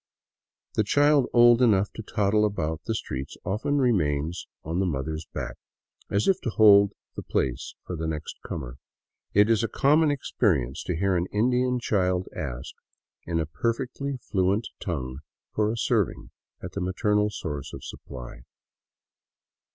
The child old enough to toddle about the streets often remains on the mother's back, as if to hold the place for the next comer. It is a common experience to hear an Indian child ask in a perfectly fluent tongue for a serving at the maternal source of supply.